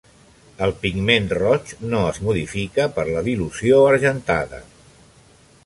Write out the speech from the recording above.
El pigment roig no es modifica per la dilució argentada.